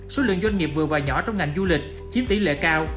số lượng doanh nghiệp vừa và nhỏ trong ngành du lịch chiếm tỷ lệ cao